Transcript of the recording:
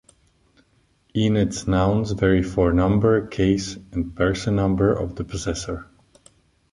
Enets nouns vary for number, case, and person-number of the possessor.